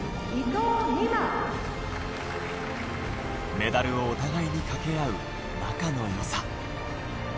メダルをお互いにかけ合う仲のよさ。